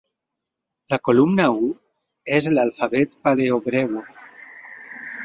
La columna I és l'alfabet paleohebreu.